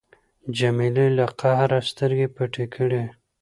جمیلې له قهره سترګې پټې کړې.